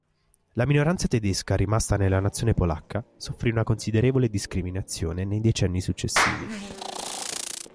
La minoranza tedesca rimasta nella nazione polacca soffrì una considerevole discriminazione nei decenni successivi.